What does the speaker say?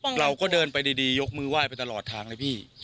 เราก็เดินไปดียกมือไหว้ไปตลอดทางเลยพี่